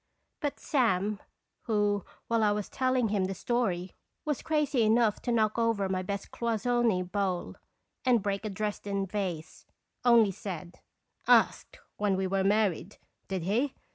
But Sam, who, while I was telling him the story, was crazy enough to knock over my best cloisonn6 bowl and break a Dresden vase, only said : "Asked when we were married, did he?